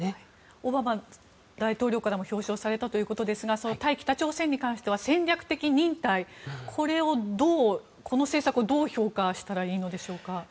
オバマ大統領からも表彰されたということですが対北朝鮮に対しては戦略的忍耐この政策をどう評価したらいいのでしょうか。